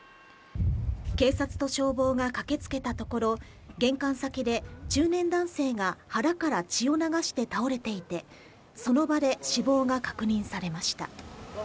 警察と消防が駆けつけたところ、玄関先で中年男性が腹から血を流して倒れていて、その場で死亡が確認されました。